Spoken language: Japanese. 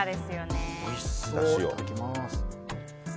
いただきます。